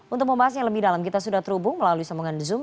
untuk membahasnya lebih dalam kita sudah terhubung melalui sambungan zoom